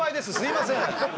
すいません。